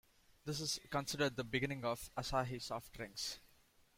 This is considered the beginning of Asahi Soft Drinks.